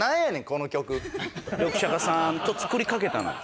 リョクシャカさんと作りかけたのよ。